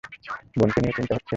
বোনকে নিয়ে চিন্তা হচ্ছে?